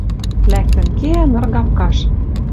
Лӓктӹн кеӓ ныргапкаш.